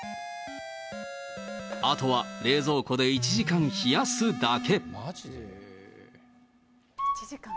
あとは冷蔵庫で１時間冷やすだけ。